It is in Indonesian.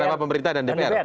kenapa pemerintah dan dpr